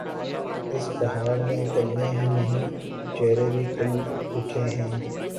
اس بہار میں کلیاں ہی نہیں، چہرے بھی کھل اٹھے ہیں۔